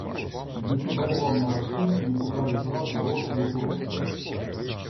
Їдучи берегом на маршрутці від села до села курорту до курорту